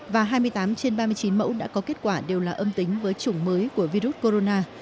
và hai mươi tám trên ba mươi chín mẫu đã có kết quả đều là âm tính với chủng mới của virus corona